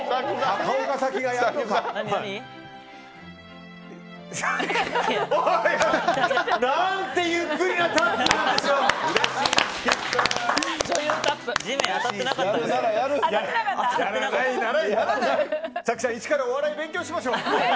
早紀さん、一からお笑い勉強しましょう。